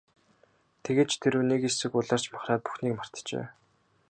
Тэгээд ч тэр үү, нэг хэсэг улайрч махраад бүхнийг мартжээ.